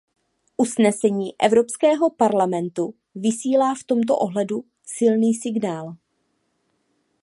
Usnesení Evropského parlamentu vysílá v tomto ohledu silný signál.